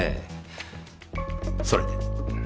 それで？